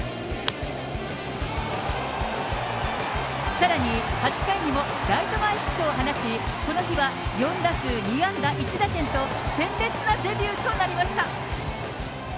さらに８回にもライト前ヒットを放ち、この日は４打数２安打１打点と、鮮烈なデビューとなりました。